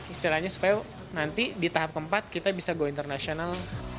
istilahnya supaya nanti di tahap keempat kita bisa go international